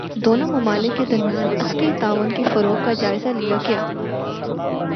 دونوں ممالک کے درمیان عسکری تعاون کے فروغ کا جائزہ لیا گیا